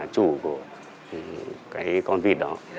chủ của cái con vịt đó